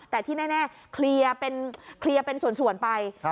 แต่ที่แน่เคลียร์เป็นส่วนไป